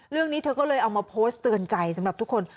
เรื่องนี้เธอก็เลยเอามาโพสต์เตือนใจสำหรับทุกคน